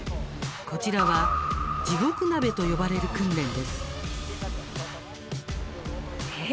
こちらは地獄鍋と呼ばれる訓練です。え？